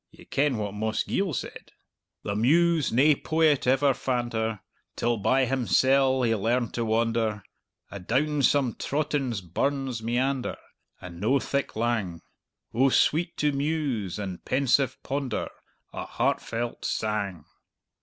Ye ken what Mossgiel said: 'The Muse nae poet ever fand her, Till by himsel' he learned to wander, Adown some trottin' burn's meander, And no thick lang; Oh sweet to muse and pensive ponder A heartfelt sang.'"